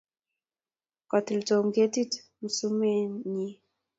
kotile Tom ketit msumenee nyin